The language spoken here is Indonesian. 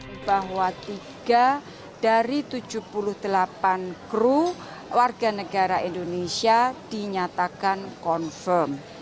bahwa tiga dari tujuh puluh delapan kru warga negara indonesia dinyatakan confirm